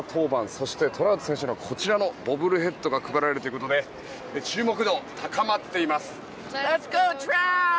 そして、トラウト選手のこちらのボブルヘッドが配られるということで注目度が高まっています。